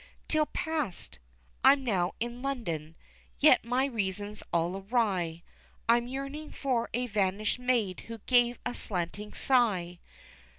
'Tis past! I'm now in London: yet my reason's all awry. I'm yearning for a vanished maid who gave a slanting sigh.